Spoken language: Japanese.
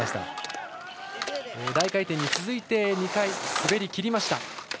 大回転に続いて２回、滑りきりました。